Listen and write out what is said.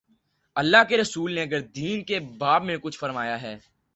اﷲ کے رسولﷺ نے اگر دین کے باب میں کچھ فرمایا ہے۔